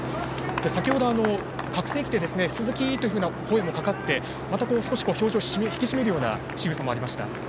先程、拡声機で鈴木！という声もかかって少し表情を引き締めるようなしぐさもありました。